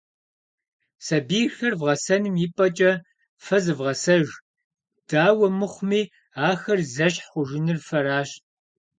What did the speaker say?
Сабийхэр вгъэсэным и пӏэкӏэ фэ зывгъэсэж, дауэ мыхъуми, ахэр зэщхь хъужынур фэращ.